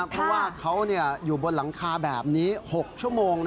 เพราะว่าเขาอยู่บนหลังคาแบบนี้๖ชั่วโมง